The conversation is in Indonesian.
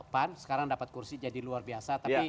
pan sekarang dapat kursi jadi luar biasa tapi